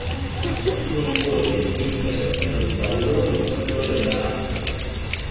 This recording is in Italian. Suo nipote, Mikkel, è lo stallone fondatore della razza.